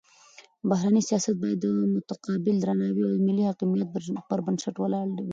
بهرنی سیاست باید د متقابل درناوي او ملي حاکمیت پر بنسټ ولاړ وي.